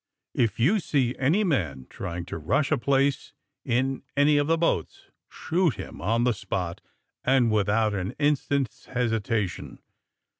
If yon see any man trying to rnsli a place in any of the boats, shoot him on the spot and without an in stant's hesitation.